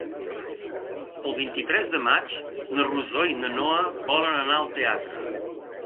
El vint-i-tres de maig na Rosó i na Noa volen anar al teatre.